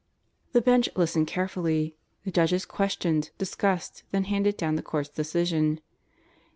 The Bench listened carefully. The judges questioned, discussed, then handed down the Court's decision.